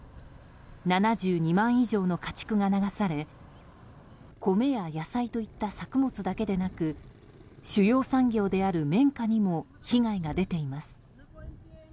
７２万以上の家畜が流されコメや野菜といった作物だけでなく主要産業である綿花にも被害が出ています。